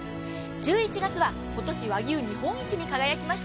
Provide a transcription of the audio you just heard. １１月は今年和牛日本一に輝きました。